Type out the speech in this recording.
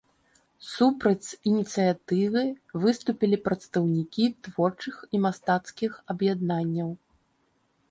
Супраць ініцыятывы выступілі прадстаўнікі творчых і мастацкіх аб'яднанняў.